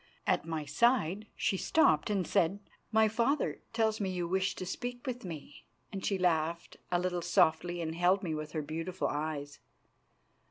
At my side she stopped and said: "My father tells me you wish to speak with me," and she laughed a little softly and held me with her beautiful eyes.